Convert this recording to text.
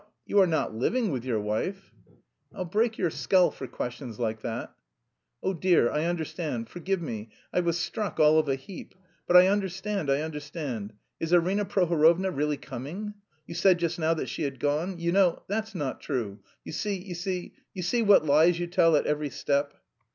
you are not living with your wife?" "I'll break your skull for questions like that." "Oh dear, I understand, forgive me, I was struck all of a heap.... But I understand, I understand... is Arina Prohorovna really coming? You said just now that she had gone? You know, that's not true. You see, you see, you see what lies you tell at every step."